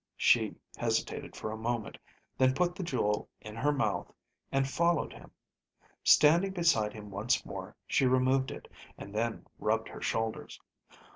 She hesitated for a moment, then put the jewel in her mouth, and followed him. Standing beside him once more, she removed it, and then rubbed her shoulders.